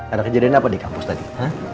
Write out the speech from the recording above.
ada kejadian apa di kampus tadi